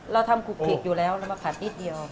เราทำคุกพริกอยู่แล้วแล้วมาผ่านปิ๊บเดียว